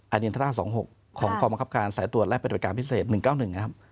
เนียนทรา๒๖ของกองบังคับการสายตรวจและปฏิบัติการพิเศษ๑๙๑นะครับ